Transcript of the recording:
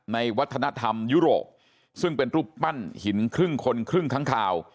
ในวัฒนธรรมยุโรปซึ่งเป็นรูปปั้นหินครึ่งคนครึ่งค้างคาว